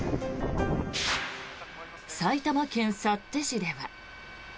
埼玉県幸手市では。